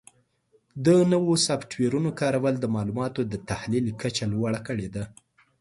د نوو سافټویرونو کارول د معلوماتو د تحلیل کچه لوړه کړې ده.